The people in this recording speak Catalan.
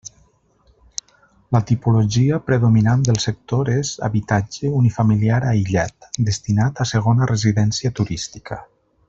La tipologia predominant del sector és habitatge unifamiliar aïllat, destinat a segona residència turística.